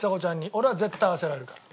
俺は絶対合わせられるから。